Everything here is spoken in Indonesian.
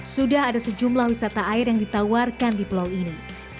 sudah ada sejumlah wisata air yang ditawarkan di pulau ini